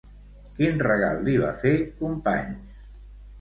Quin regal li va fer Companys?